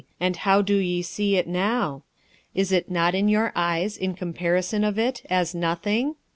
and how do ye see it now? is it not in your eyes in comparison of it as nothing?